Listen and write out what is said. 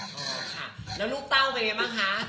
แล้วลูกเต้าเป็นยังไงบ้างค่ะ